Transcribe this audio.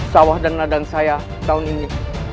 sawah dan ladang saya tahun ini